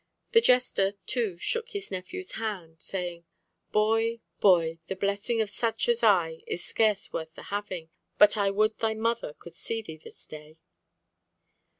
The jester too shook his nephew's hand, saying, "Boy, boy, the blessing of such as I is scarce worth the having, but I would thy mother could see thee this day."